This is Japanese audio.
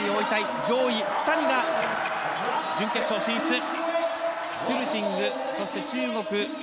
上位２人が準決勝進出。